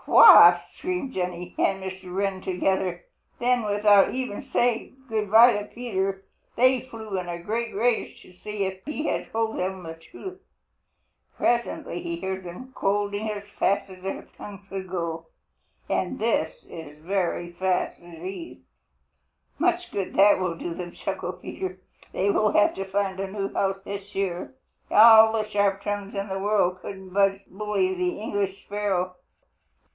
"What?" screamed Jenny and Mr. Wren together. Then without even saying good by to Peter, they flew in a great rage to see if he had told them the truth. Presently he heard them scolding as fast as their tongues could go, and this is very fast indeed. "Much good that will do them," chuckled Peter. "They will have to find a new house this year. All the sharp tongues in the world couldn't budge Bully the English sparrow.